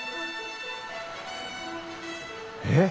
えっ？